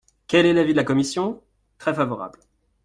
Quel est l’avis de la commission ? Très favorable.